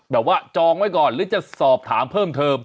จองไว้ก่อนหรือจะสอบถามเพิ่มเติม